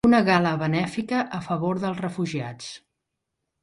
Una gala benèfica a favor dels refugiats.